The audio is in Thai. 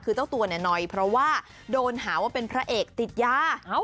คือเจ้าตัวเนี่ยหน่อยเพราะว่าโดนหาว่าเป็นพระเอกติดยา